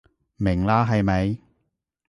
明啦係咪？